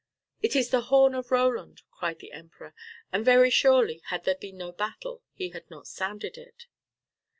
"It is the horn of Roland," cried the Emperor, "and very surely had there been no battle, he had not sounded it."